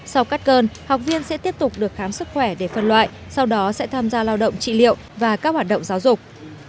sau cắt cơn học viên sẽ tiếp tục được khám sức khỏe để phân loại sau đó sẽ tham gia lao động trị liệu và các hoạt động giáo dục